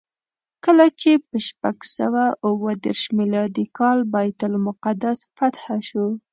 کله چې په شپږ سوه اوه دېرش میلادي کال بیت المقدس فتحه شو.